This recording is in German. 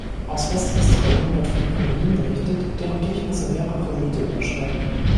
Aus Westaustralien wird von Kolonien berichtet, deren Durchmesser mehrere Meter überschreiten.